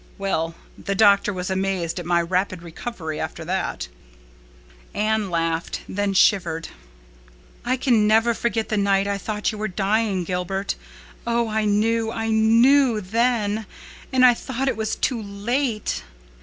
Well, the doctor was amazed at my rapid recovery after that." Anne laughed—then shivered. "I can never forget the night I thought you were dying, Gilbert. Oh, I knew—I knew then—and I thought it was too late."